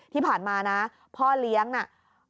ที่ผ่านมานะพ่อเลี้ยงน่ะ